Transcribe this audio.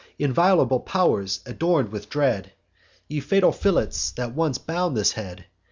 Inviolable pow'rs, ador'd with dread! Ye fatal fillets, that once bound this head!